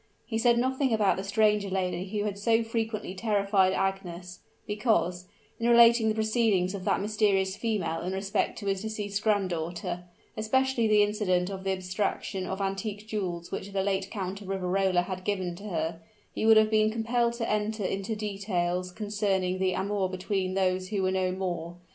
He said nothing about the stranger lady who had so frequently terrified Agnes; because, in relating the proceedings of that mysterious female in respect to his deceased grand daughter especially the incident of the abstraction of the antique jewels which the late Count of Riverola had given to her he would have been compelled to enter into details concerning the amour between those who were no more.